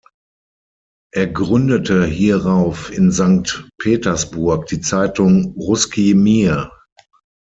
Er gründete hierauf in Sankt Petersburg die Zeitung "Russki Mir".